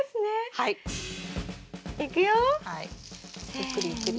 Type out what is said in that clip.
ゆっくりゆっくり。